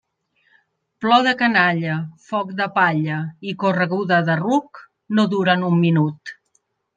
Plor de canalla, foc de palla i correguda de ruc no duren un minut.